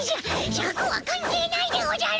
シャクはかん係ないでおじゃる！